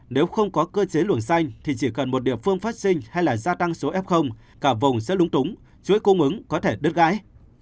nếu không có cơ chế luồng xanh thì chỉ cần một địa phương phát sinh hay là gia tăng số f cả vùng sẽ lúng túng chuỗi cung ứng có thể đứt gãy